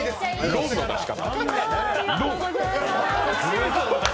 ロンの出し方。